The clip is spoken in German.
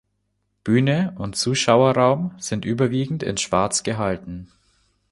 Bühne und Zuschauerraum sind überwiegend in schwarz gehalten.